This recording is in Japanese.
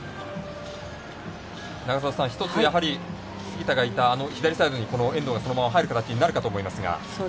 永里さん、一つ、杉田がいた左サイドにこの遠藤が、そのまま入る形になるかと思いますが。